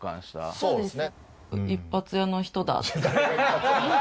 そうですね。